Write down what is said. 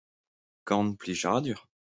Gant plijadur.